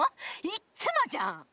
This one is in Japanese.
いっつもじゃん！